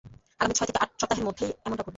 আগামী ছয় থেকে আট সপ্তাহের মধ্যেই এমনটা ঘটবে!